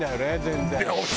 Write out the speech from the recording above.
全然。